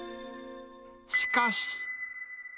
しかし。